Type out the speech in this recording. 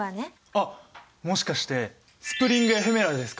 あっもしかしてスプリング・エフェメラルですか？